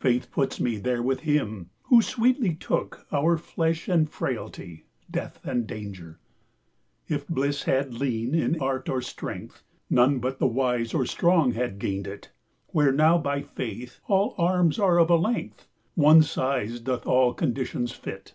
Faith puts me there with him, who sweetly took Our flesh and frailtie, death and danger. If blisse had lien in art or strength, 25 None but the wise or strong had gained it: Where now by Faith all arms are of a length; One size doth all conditions fit.